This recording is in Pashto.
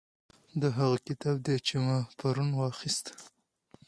دا هغه کتاب دی چې ما پرون واخیست.